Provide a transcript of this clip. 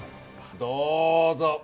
どうぞ。